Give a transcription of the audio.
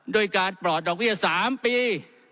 โดยการปลอดดอกเวียต๓ปี